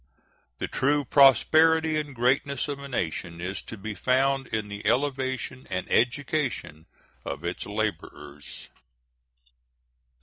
The true prosperity and greatness of a nation is to be found in the elevation and education of its laborers.